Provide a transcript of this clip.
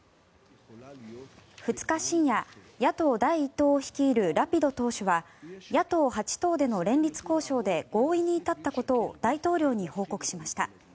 ２日深夜、野党第１党を率いるラピド党首は野党８党での連立交渉で合意に至ったことを大統領に報告しました。